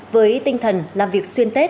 với tinh thần làm việc xuyên tết